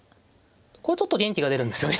これちょっと元気が出るんですよね